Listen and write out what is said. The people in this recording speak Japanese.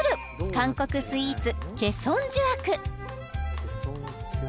韓国スイーツ